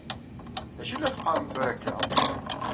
D acu i la teqqaṛem tura akka?